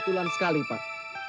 kebetulan sekali pak